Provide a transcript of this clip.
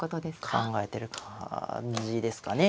考えてる感じですかね。